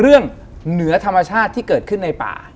เหนือธรรมชาติที่เกิดขึ้นในป่า